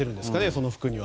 その服には。